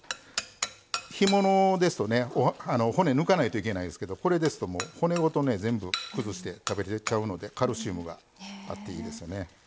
干物ですとね骨抜かないといけないですけどこれですともう骨ごとね全部崩して食べれちゃうのでカルシウムがあっていいですよね。